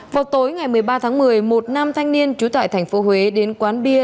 vào tối ngày một mươi ba tháng một mươi một nam thanh niên trú tại tp huế đến quán bia